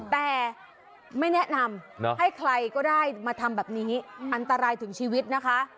แต่ไม่แนะนำให้ใครก็ได้มาทำแบบนี้อันตรายถึงชีวิตนะคะ